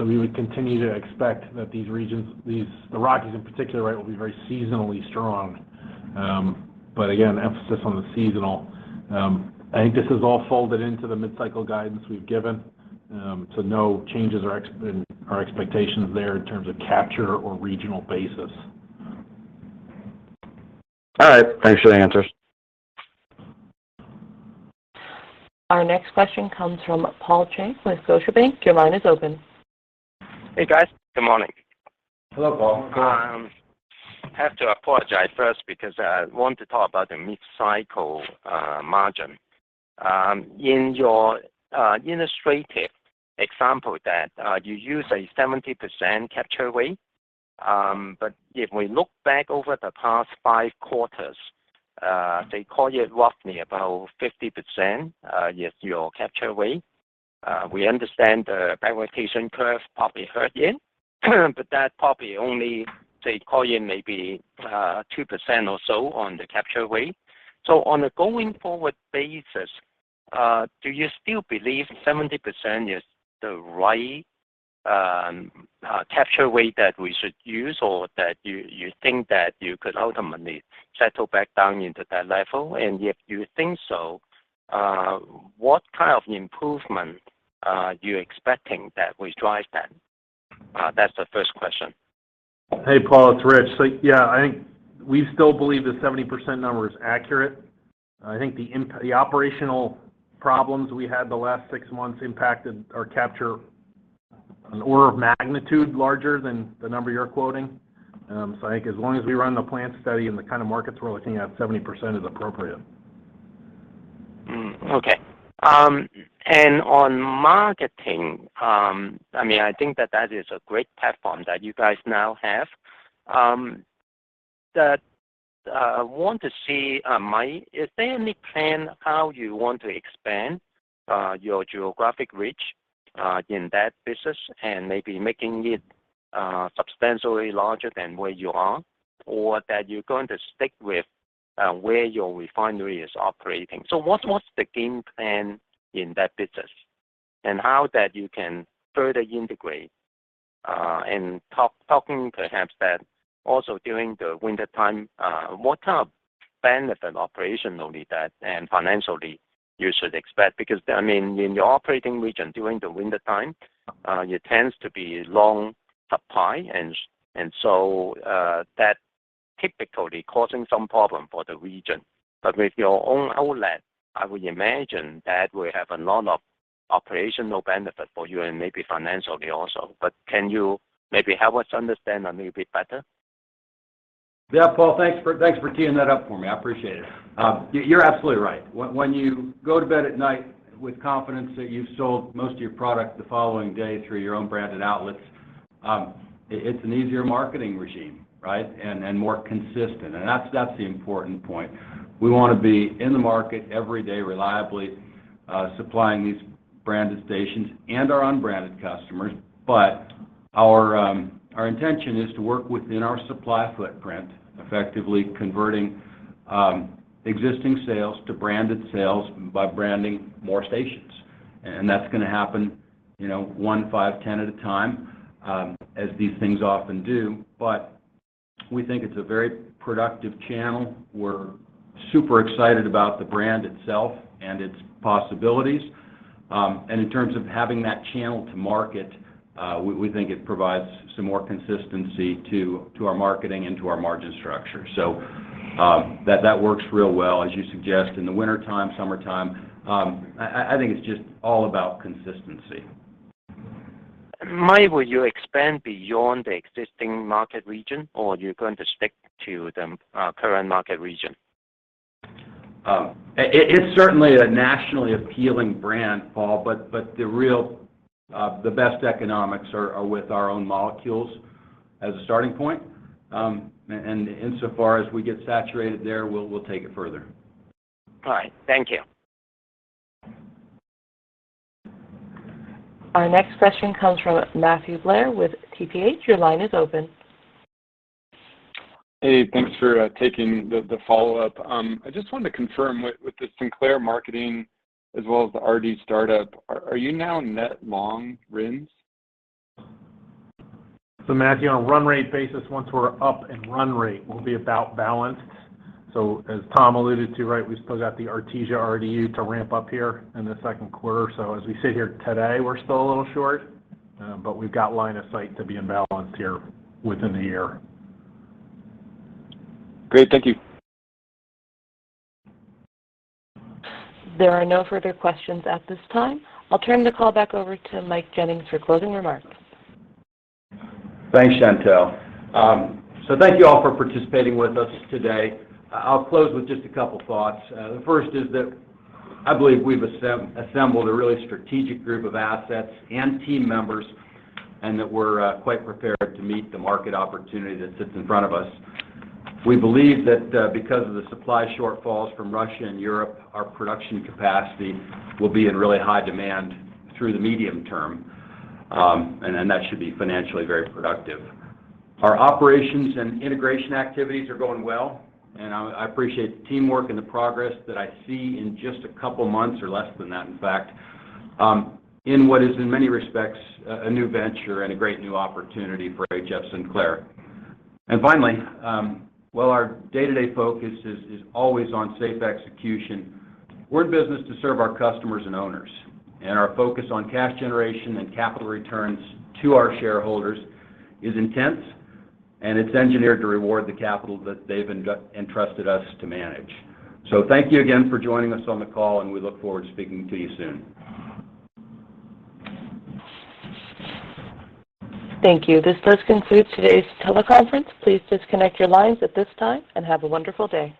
We would continue to expect that these regions, the Rockies in particular, right, will be very seasonally strong. But again, emphasis on the seasonal. I think this is all folded into the mid-cycle guidance we've given. No changes in our expectations there in terms of capture or regional basis. All right. Thanks for the answers. Our next question comes from Paul Cheng with Scotiabank. Your line is open. Hey, guys. Good morning. Hello, Paul. I have to apologize first because I want to talk about the mid-cycle margin. In your illustrative example that you used a 70% capture rate, but if we look back over the past five quarters, it's roughly about 50% is your capture rate. We understand the prioritization curve probably hurt you, but that probably only cost you maybe 2% or so on the capture rate. On a going forward basis, do you still believe 70% is the right capture rate that we should use or that you think you could ultimately settle back down into that level? If you think so, what kind of improvement you expecting that will drive that? That's the first question. Hey, Paul, it's Rich. Yeah, I think we still believe the 70% number is accurate. I think the operational problems we had the last six months impacted our capture an order of magnitude larger than the number you're quoting. I think as long as we run the plant study in the kind of markets we're looking at, 70% is appropriate. Okay. I mean, I think that is a great platform that you guys now have. But I want to see. Is there any plan how you want to expand your geographic reach in that business and maybe making it substantially larger than where you are? Or that you're going to stick with where your refinery is operating? What's the game plan in that business, and how that you can further integrate? And talking perhaps that also during the wintertime, what kind of benefit operationally that and financially you should expect? Because I mean, in your operating region during the wintertime, it tends to be long supply and so that typically causing some problem for the region. With your own outlet, I would imagine that will have a lot of operational benefit for you and maybe financially also. Can you maybe help us understand a little bit better? Yeah, Paul, thanks for teeing that up for me. I appreciate it. You're absolutely right. When you go to bed at night with confidence that you've sold most of your product the following day through your own branded outlets, it's an easier marketing regime, right? More consistent. That's the important point. We wanna be in the market every day reliably, supplying these branded stations and our unbranded customers. But our intention is to work within our supply footprint, effectively converting existing sales to branded sales by branding more stations. That's gonna happen, you know, one, five, 10 at a time, as these things often do. But we think it's a very productive channel. We're super excited about the brand itself and its possibilities. in terms of having that channel to market, we think it provides some more consistency to our marketing and to our margin structure. That works real well, as you suggest. In the wintertime, summertime, I think it's just all about consistency. Mike, will you expand beyond the existing market region or you're going to stick to the current market region? It's certainly a nationally appealing brand, Paul, but the best economics are with our own molecules as a starting point. Insofar as we get saturated there, we'll take it further. All right. Thank you. Our next question comes from Matthew Blair with TPH. Your line is open. Hey, thanks for taking the follow-up. I just wanted to confirm with the Sinclair marketing as well as the RDU startup, are you now net long RINs? Matthew, on a run rate basis, once we're up and run rate, we'll be about balanced. As Tom alluded to, right, we've still got the Artesia RDU to ramp up here in the second quarter. As we sit here today, we're still a little short, but we've got line of sight to be in balance here within the year. Great. Thank you. There are no further questions at this time. I'll turn the call back over to Mike Jennings for closing remarks. Thanks, Chantelle. Thank you all for participating with us today. I'll close with just a couple thoughts. The first is that I believe we've assembled a really strategic group of assets and team members, and that we're quite prepared to meet the market opportunity that sits in front of us. We believe that because of the supply shortfalls from Russia and Europe, our production capacity will be in really high demand through the medium term, and then that should be financially very productive. Our operations and integration activities are going well, and I appreciate the teamwork and the progress that I see in just a couple months or less than that, in fact, in what is in many respects a new venture and a great new opportunity for HF Sinclair. Finally, while our day-to-day focus is always on safe execution, we're in business to serve our customers and owners, and our focus on cash generation and capital returns to our shareholders is intense, and it's engineered to reward the capital that they've entrusted us to manage. Thank you again for joining us on the call, and we look forward to speaking to you soon. Thank you. This does conclude today's teleconference. Please disconnect your lines at this time, and have a wonderful day.